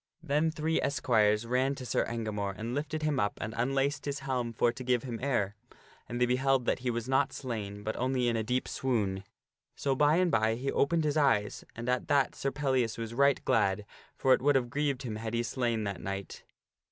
Then three esquires ran to Sir Engamore and lifted him up and unlaced his helm for to give him air. And they beheld that he was not slain, but only in a deep swoon. So by and by he opened his eyes, and at that Sir Pellias was right glad, for it would have grieved him had he slain that knight.